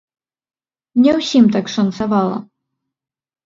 Не ўсім так шанцавала.